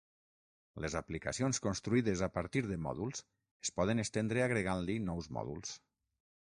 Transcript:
Les aplicacions construïdes a partir de mòduls es poden estendre agregant-li nous mòduls.